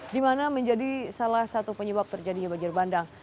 di mana menjadi salah satu penyebab terjadinya banjir bandang